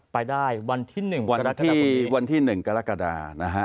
ไปได้วันที่๑กรกฎา